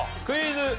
クイズ。